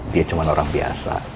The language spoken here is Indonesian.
dia cuman orang biasa